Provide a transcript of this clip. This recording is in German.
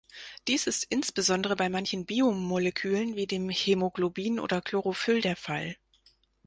Dies ist insbesondere bei manchen Biomolekülen wie dem Hämoglobin oder Chlorophyll der Fall.